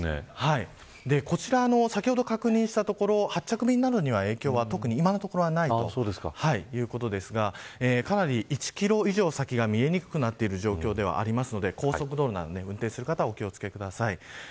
こちら、先ほど確認したところ発着便などには影響は特に今のところないということですがかなり１キロ以上先が見えにくくなっている状況ではありますので高速道路など運転する方はお気を付けください。